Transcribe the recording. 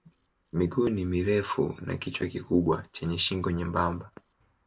Miguu ni mirefu na kichwa kikubwa chenye shingo nyembamba.